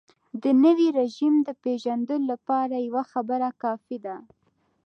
د نوي رژیم د پېژندلو لپاره یوه خبره کافي ده.